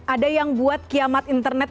ada yang buat kiamat internet